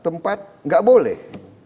tepat gak boleh